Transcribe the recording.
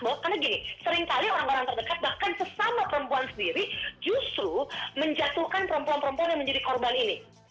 karena gini seringkali orang orang terdekat bahkan sesama perempuan sendiri justru menjatuhkan perempuan perempuan yang menjadi korban ini